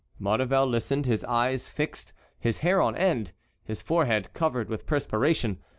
Maurevel listened, his eyes fixed, his hair on end, his forehead covered with perspiration.